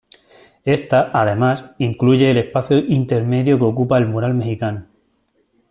Esta, además, incluye el espacio intermedio que ocupa el mural mexicano.